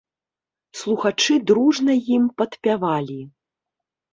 Слухачы дружна ім падпявалі.